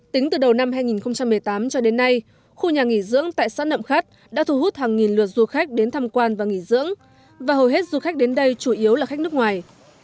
tính từ đầu năm hai nghìn một mươi tám cho đến nay khu nhà nghỉ dưỡng tại xã nậm khắt đã thu hút hàng nghìn lượt du khách đến tham quan và nghỉ dưỡng và hầu hết du khách đến đây chủ yếu là khách nước ngoài